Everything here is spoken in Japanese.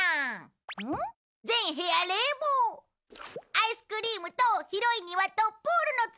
アイスクリームと広い庭とプールのついている家に。